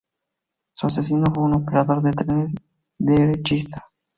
Su asesino fue un operador de trenes derechista.